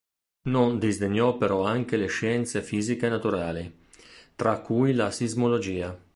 Non disdegnò però anche le scienze fisiche e naturali, tra cui la sismologia.